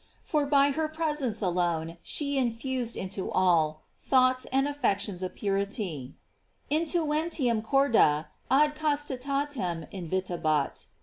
J For by her presence alone she infused into all, thoughts and affections of purity: "Intuentiurn corda ad castitatem invitabat."